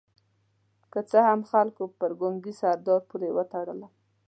که څه هم خلکو پر ګونګي سردار پورې وتړلم.